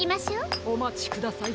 おまちください